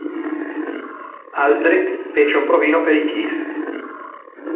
Aldrich fece un provino per i Kiss.